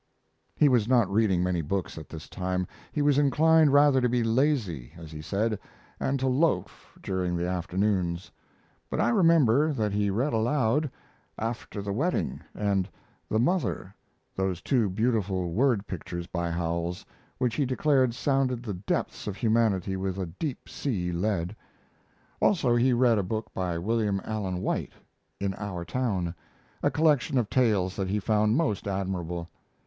He was not reading many books at this time he was inclined rather to be lazy, as he said, and to loaf during the afternoons; but I remember that he read aloud 'After the Wedding' and 'The Mother' those two beautiful word pictures by Howells which he declared sounded the depths of humanity with a deep sea lead. Also he read a book by William Allen White, 'In Our Town', a collection of tales that he found most admirable.